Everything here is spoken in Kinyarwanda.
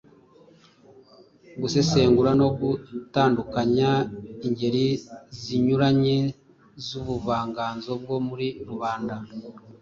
gusesengura no gutandukanya ingeri zinyuranye z’ubuvanganzo bwo muri rubanda;